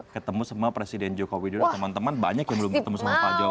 ketemu sama presiden jokowi dulu temen temen banyak yang belum ketemu sama pak jokowi